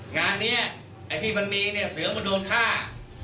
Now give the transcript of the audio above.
งานเนี่ยอัธิบันเมย์นะเสือมาโดนฆ่า